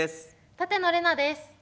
舘野伶奈です。